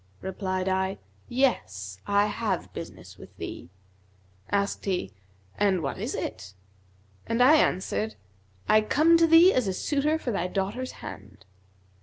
Replied I, 'Yes, I have business with thee.' Asked he, 'And what is it?'; and I answered, 'I come to thee as a suitor for thy daughter's hand.'